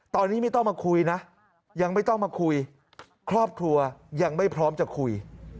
ตอนนี้ไม่ต้องมาคุยนะยังไม่ต้องมาคุยครอบครัวยังไม่พร้อมจะคุย